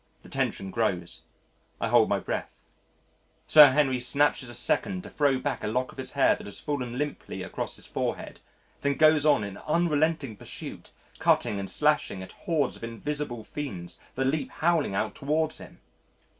The tension grows ... I hold my breath.... Sir Henry snatches a second to throw back a lock of his hair that has fallen limply across his forehead, then goes on in unrelenting pursuit, cutting and slashing at hordes of invisible fiends that leap howling out towards him.